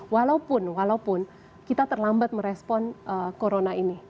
walaupun walaupun kita terlambat merespon corona ini